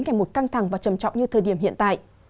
ngày một căng thẳng và trầm trọng như thời điểm hiện tại